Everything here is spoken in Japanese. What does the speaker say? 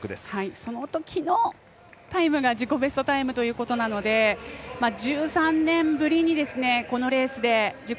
そのときのタイムが自己ベストタイムということなので１３年ぶりに、このレースで自己